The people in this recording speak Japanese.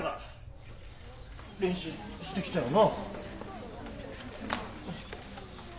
練習してきたよな？